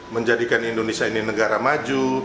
menjadikan indonesia ini negara maju